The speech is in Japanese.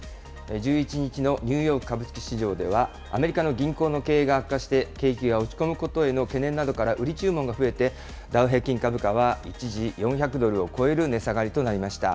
１１日のニューヨーク株式市場では、アメリカの銀行の経営が悪化して景気が落ち込むことへの懸念などから売り注文が増えて、ダウ平均株価は一時４００ドルを超える値下がりとなりました。